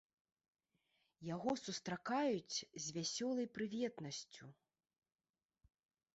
Яго сустракаюць з вясёлай прыветнасцю.